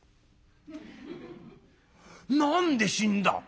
「何で死んだ？